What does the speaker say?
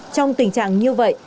trong tình trạng như vậy